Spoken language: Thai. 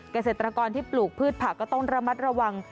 เกษตรกรที่ปลูกพืชผักก็ต้องระมัดระวัง